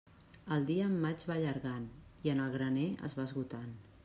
El dia en maig va allargant i el graner es va esgotant.